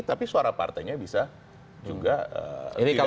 tapi suara partainya bisa juga tidak